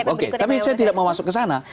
oke tapi saya tidak mau masuk ke sana